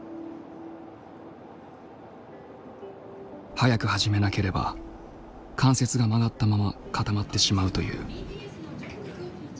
早く始めなければ関節が曲がったまま固まってしまうという。